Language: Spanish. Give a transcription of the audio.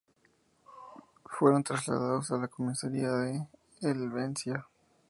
Fueron trasladados a la comisaría de Helvecia.